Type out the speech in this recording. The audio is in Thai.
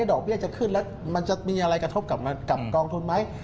ดอกเบี้ยจะขึ้นแล้วมันจะมีอะไรกระทบกับกองทุนไหม